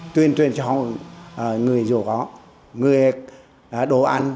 tuyên truyền cho người dù có người đồ ăn